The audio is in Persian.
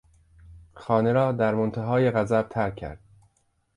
خانه را در منتهای غضب ترک کرد.